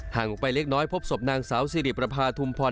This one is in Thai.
ไปเล็กน้อยพบศพนางสาวสิริประพาทุมพร